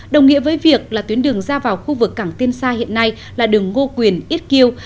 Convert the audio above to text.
đồng nghĩa với việc là tuyến đường ra vào khu vực cảng tiên sa hiện nay là đường ngô quyền ít kiêu